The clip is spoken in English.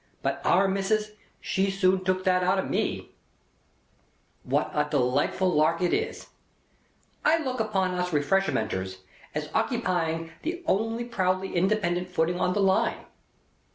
But Our Missis she soon took that out of me. What a delightful lark it is! I look upon us Refreshmenters as ockipying the only proudly independent footing on the Line.